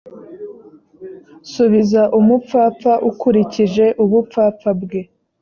subiza umupfapfa ukurikije ubupfapfa bwe